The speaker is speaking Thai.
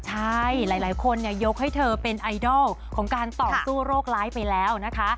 ใช่หลายคนยกให้เธอเป็นไอดอลของการต่อสู้โรคร้ายไปแล้วนะคะ